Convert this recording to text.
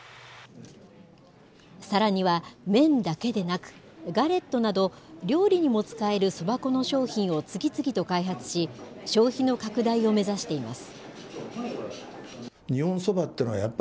さらには麺だけでなく、ガレットなど、料理にも使えるそば粉の商品を次々と開発し、消費の拡大を目指しています。